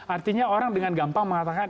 artinya orang dengan gampang mengatakan